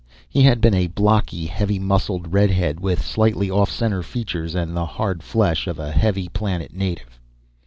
He had been a blocky, heavy muscled redhead with slightly off center features and the hard flesh of a heavy planet native.